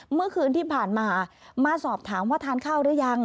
เมื่อคืนที่ผ่านมามาสอบถามว่าทานข้าวหรือยัง